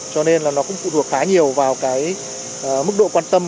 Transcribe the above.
cho nên nó cũng phụ thuộc khá nhiều vào mức độ quan tâm